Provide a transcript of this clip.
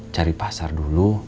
cari pasar dulu